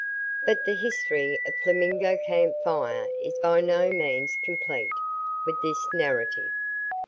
But the history of Flamingo Camp Fire is by no means complete with this narrative.